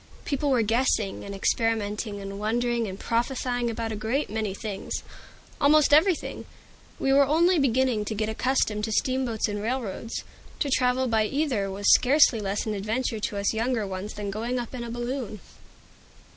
People were guessing and experimenting and wondering and prophesying about a great many things, about almost everything. We were only beginning to get accustomed to steamboats and railroads. To travel by either was scarcely less an adventure to us younger ones than going up in a balloon.